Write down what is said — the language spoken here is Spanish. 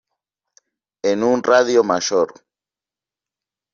en un radio mayor.